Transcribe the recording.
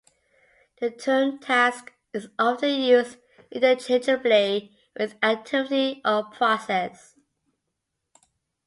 The term "task" is often used interchangeably with activity or process.